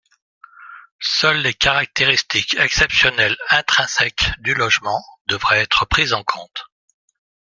Seules les caractéristiques exceptionnelles intrinsèques du logement devraient être prises en compte.